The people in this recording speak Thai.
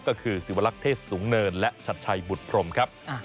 ก็คือศิวลักษณ์เทศสูงเนินและชัดชัยบุตรพรมครับ